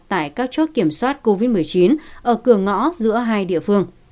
tại các chốt kiểm soát covid một mươi chín ở cửa ngõ giữa hai địa phương